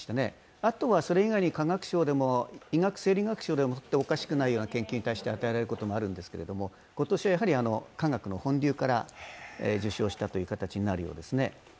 あとはそれ以外に化学賞でも医学生理学賞でもおかしくない研究に対して与えられることもあるんですけど、今年は化学の本流から受賞したという形になるようですね。